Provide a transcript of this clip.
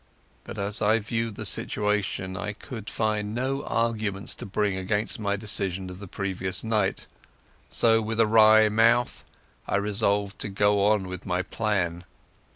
But as I reviewed the situation I could find no arguments to bring against my decision of the previous night, so with a wry mouth I resolved to go on with my plan.